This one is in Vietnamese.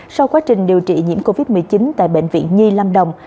sau quá trình điều trị nhiễm covid một mươi chín tại bệnh viện nhi lâm đồng